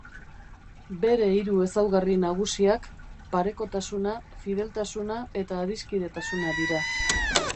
Bere hiru ezaugarri nagusiak: parekotasuna, fideltasuna eta adiskidetasuna dira.